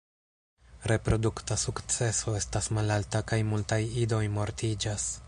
Reprodukta sukceso estas malalta kaj multaj idoj mortiĝas.